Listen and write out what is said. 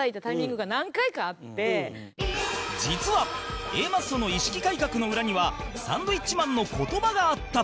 実は Ａ マッソの意識改革の裏にはサンドウィッチマンの言葉があった